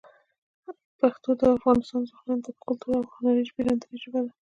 پښتو د افغانستان ځوانانو ته د کلتور او هنر پېژندنې ژبه ده.